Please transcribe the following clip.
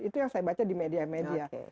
itu yang saya baca di media media